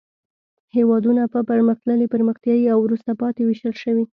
هېوادونه په پرمختللي، پرمختیایي او وروسته پاتې ویشل شوي.